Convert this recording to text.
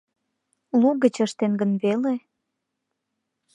Лугыч ыштен гын веле?